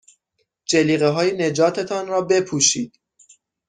جلیقههای نجات تان را بپوشید.